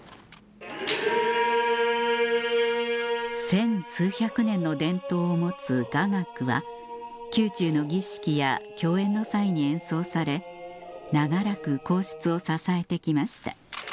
１０００数百年の伝統を持つ雅楽は宮中の儀式や供宴の際に演奏され長らく皇室を支えてきました